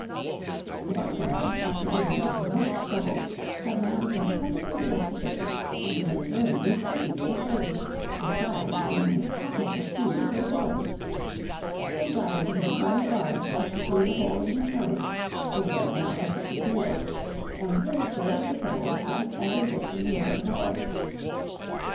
The buffalo, after giving us much trouble, had now become perfectly domesticated, and was a very useful beast of burden, besides being a capital steed for the boys. They guided him by a bar thrust through the hole in his nose, which was now perfectly healed, and this served the purpose just as a bit in the mouth of a horse.